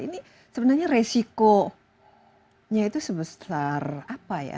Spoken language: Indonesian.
ini sebenarnya resikonya itu sebesar apa ya